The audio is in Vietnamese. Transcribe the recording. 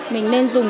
mình nên dùng